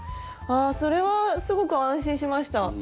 あそれはすごく安心しました。